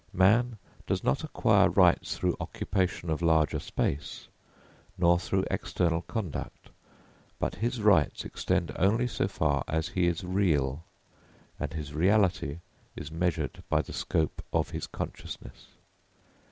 Man does not acquire rights through occupation of larger space, nor through external conduct, but his rights extend only so far as he is real, and his reality is measured by the scope of his consciousness.